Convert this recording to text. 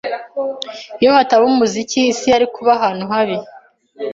Iyo hataba umuziki, isi yari kuba ahantu habi.